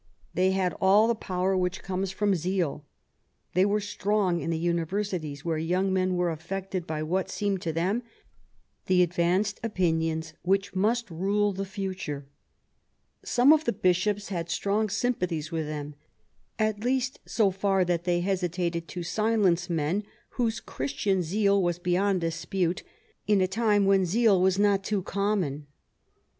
They had all the power which comes from zeal. They were strong in the Universities, where young men were affected by what seemed to them the advanced opinions which must rule the future. Some of the Bishops had strong sympathies with them, at least so far that they hesitated to silence men, whose Christian zeal was beyond dispute, in a time when zeal was not too common.